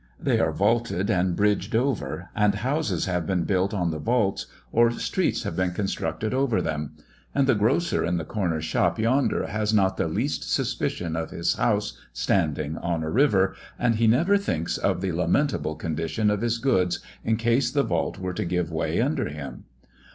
They are vaulted and bridged over, and houses have been built on the vaults, or streets have been constructed over them; and the grocer in the corner shop yonder has not the least suspicion of his house standing on a river, and he never thinks of the lamentable condition of his goods, in case the vault were to give way under him.